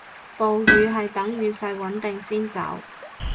暴雨係等雨勢穩定先走